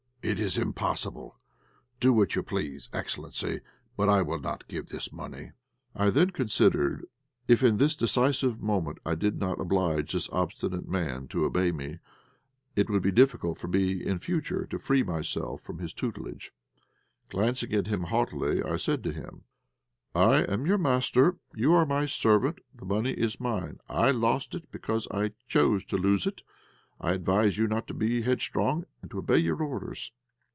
It is impossible. Do what you please, excellency, but I will not give this money." I then considered that, if in this decisive moment I did not oblige this obstinate old man to obey me, it would be difficult for me in future to free myself from his tutelage. Glancing at him haughtily, I said to him "I am your master; you are my servant. The money is mine; I lost it because I chose to lose it. I advise you not to be headstrong, and to obey your orders."